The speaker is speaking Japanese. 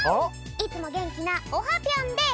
いつもげんきなオハぴょんです！